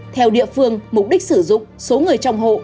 theo địa phương mục đích sử dụng số người trong hộ